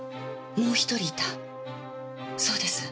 もう１人いたそうです。